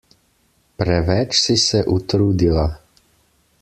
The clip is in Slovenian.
Preveč si se utrudila!